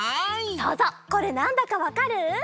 そうぞうこれなんだかわかる？